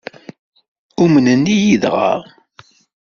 Umnen-iyi dɣa?